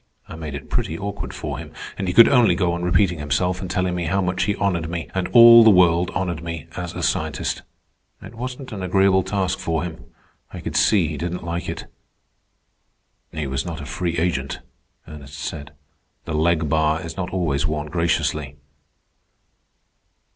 I made it pretty awkward for him, and he could only go on repeating himself and telling me how much he honored me, and all the world honored me, as a scientist. It wasn't an agreeable task for him. I could see he didn't like it." "He was not a free agent," Ernest said. "The leg bar is not always worn graciously."